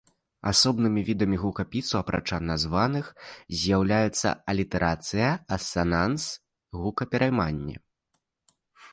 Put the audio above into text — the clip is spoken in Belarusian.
Асобнымі відамі гукапісу, апрача названых, з'яўляюцца алітэрацыя, асананс, гукаперайманне.